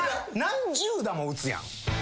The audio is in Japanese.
何十打も打つやん。